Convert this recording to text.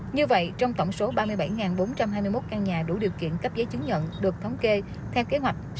như vậy trong tổng số ba mươi bảy bốn trăm hai mươi một căn nhà đủ điều kiện cấp giấy chứng nhận được thống kê theo kế hoạch sáu nghìn bảy trăm linh bảy